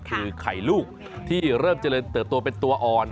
คือไข่ลูกที่เริ่มเจริญเติบโตเป็นตัวอ่อน